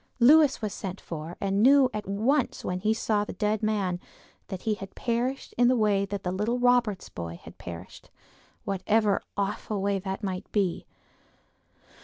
Lewis was sent for, and knew, at once when he saw the dead man that he had perished in the way that the little Roberts boy had perished—whatever that awful way might be.